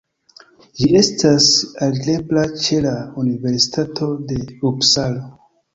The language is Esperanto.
Ĝi estas alirebla ĉe la universitato de Upsalo.